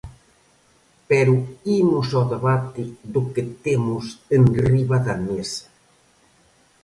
Pero imos ao debate do que temos enriba da mesa.